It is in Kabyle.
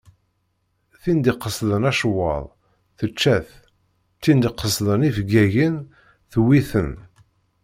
Tin d-iqesden acewwaḍ, tečča-t. Tin d-iqesden ifeggagen, tewwi-ten.